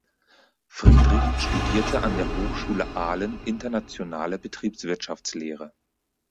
Friedrich studierte an der Hochschule Aalen internationale Betriebswirtschaftslehre.